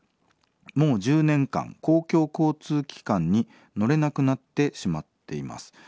もう１０年間公共交通機関に乗れなくなってしまっています。